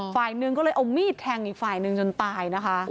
ฝ่ายหนึ่งก็เลยเอามีดแทงอีกฝ่ายหนึ่งจนตายนะคะ